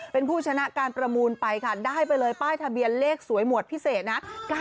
เป็นผู้ชนะการประมูลไปค่ะได้ไปเลยป้ายทะเบียนเลขสวยหมวดพิเศษนะ